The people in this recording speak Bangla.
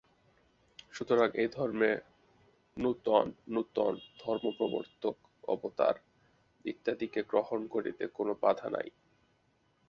সুতরাং এই ধর্মে নূতন নূতন ধর্মপ্রবর্তক, অবতার ইত্যাদিকে গ্রহণ করিতে কোন বাধা নাই।